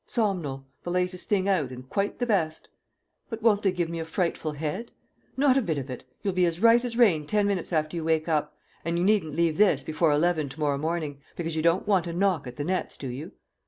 "Somnol. The latest thing out, and quite the best." "But won't they give me a frightful head?" "Not a bit of it; you'll be as right as rain ten minutes after you wake up. And you needn't leave this before eleven to morrow morning, because you don't want a knock at the nets, do you?"